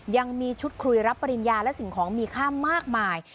ยังมีชุดคุยรับปริญญาและสิ่งของมีค่ามากมาย